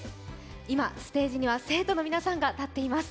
今、ステージには生徒の皆さんが立っています。